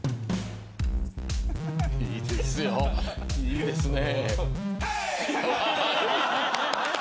いいですよ、いいですね。